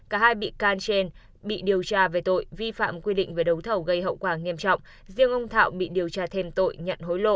cả hai bị can trên bị điều tra về tội vi phạm quy định về đấu thầu gây hậu quả nghiêm trọng riêng ông thọ bị điều tra thêm tội nhận hối lộ